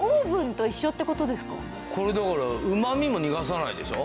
これだからうま味も逃がさないでしょ？